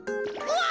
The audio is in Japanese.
うわ！